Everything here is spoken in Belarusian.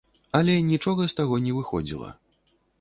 Але нічога з таго не выходзіла.